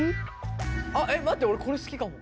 あっえっ待って俺これ好きかも。